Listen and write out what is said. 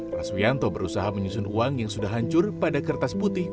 raswianto berusaha menyusun uang yang sudah hancur pada kertas putih